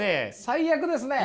最悪ですね。